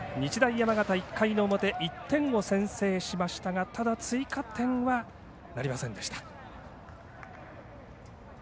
山形、１回の表１点を先制しましたがただ、追加点はなりませんでした。